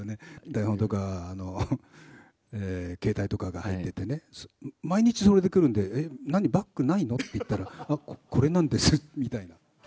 台本とか携帯とかが入っててね、毎日、それで来るんで、えっ、何、バッグないの？って言ったら、あっ、これなんですみたいな。